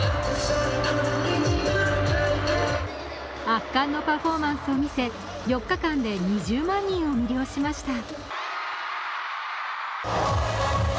圧巻のパフォーマンスを見せ、４日間で２０万人を魅了しました。